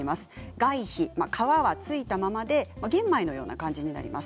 外皮はまあ皮は付いたままで玄米のような感じになります。